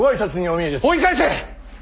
追い返せ！